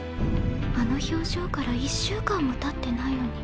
あの表情から１週間もたってないのに。